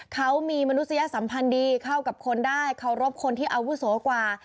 เขามีมนุษยสัมพันธ์ดีเข้ากับคนได้เคารพคนที่อาวุโสกว่า